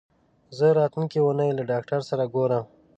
زه راتلونکې اونۍ له ډاکټر سره ګورم.